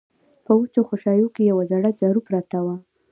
په وچو خوشايو کې يوه زړه جارو پرته وه.